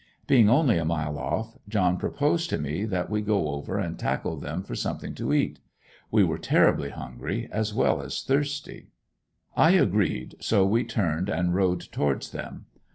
Being only a mile off, John proposed to me that we go over and tackle them for something to eat. We were terribly hungry, as well as thirsty. I agreed, so we turned and rode towards them.